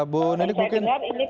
bu nenek mungkin